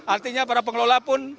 artinya para pengelola pun